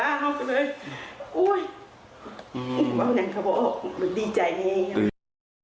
เอาอย่างนั้นครับอ๋อดีใจจริง